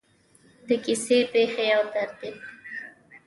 د کیسې پیښې او ترتیب: